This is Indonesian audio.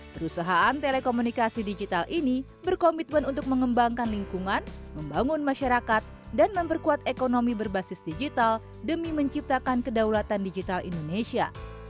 perusahaan telekomunikasi digital ini berkomitmen untuk mengembangkan lingkungan membangun masyarakat dan memperkuat ekonomi berbasis digital demi menciptakan kedaulatan digital indonesia